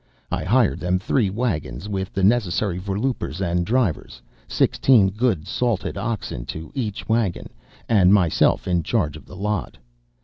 I hired them three wagons with the necessary voorloopers and drivers, sixteen good salted oxen to each wagon, and myself in charge of the lot.